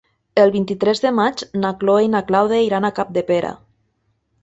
El vint-i-tres de maig na Chloé i na Clàudia iran a Capdepera.